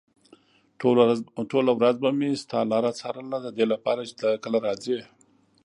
ټوله ورځ به مې ستا لاره څارله ددې لپاره چې ته کله راځې.